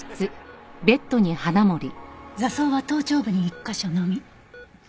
挫創は頭頂部に１カ所のみ。